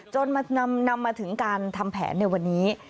จนนำมาถึงการทำแผนในวันนี้